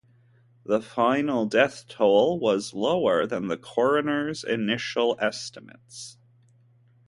The final death toll was lower than the coroner's initial estimates.